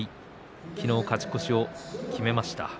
昨日、勝ち越しを決めました。